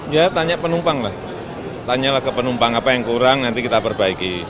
ya tanya penumpang lah tanyalah ke penumpang apa yang kurang nanti kita perbaiki